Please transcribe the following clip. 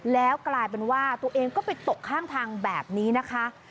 แล้วกลายเป็นว่าตัวเองก็ไปตกข้างทางแบบนี้นะคะ